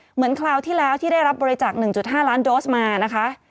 คราวที่แล้วที่ได้รับบริจาค๑๕ล้านโดสมานะคะ